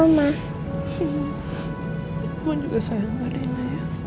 mama juga sayang pada ini